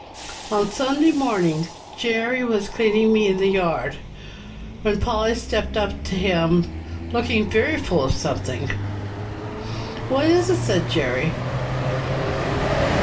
On Sunday morning Jerry was cleaning me in the yard, when Polly stepped up to him, looking very full of something. "What is it?" said Jerry.